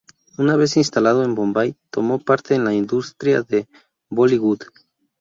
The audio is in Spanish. Una vez instalado en Bombay, tomó parte en la industria de Bollywood.